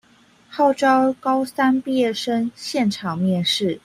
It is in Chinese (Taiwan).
號召高三畢業生現場面試